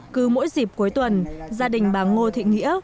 cứ mỗi dịp cuối tuần gia đình bà ngô thị nghĩa